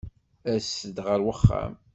Aset-d ɣer wexxam.